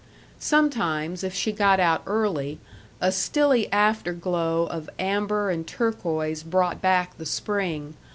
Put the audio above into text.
Sometimes, if she got out early, a stilly afterglow of amber and turquoise brought back the spring.